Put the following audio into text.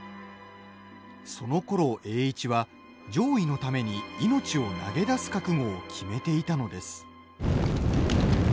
そのころ栄一は攘夷のために命を投げ出す覚悟を決めていたのです。